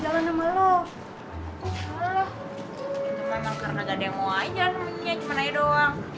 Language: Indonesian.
cuma karena gak ada yang mau aja namanya cuman aja doang